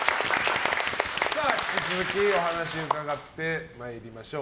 引き続きお話を伺ってまいりましょう。